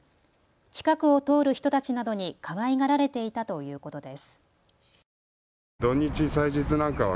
近くを通る人たちなどにかわいがられていたということです。